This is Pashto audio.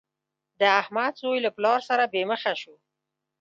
د احمد زوی له پلار سره بې مخه شو.